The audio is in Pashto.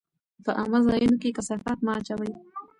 په عامه ځایونو کې کثافات مه اچوئ.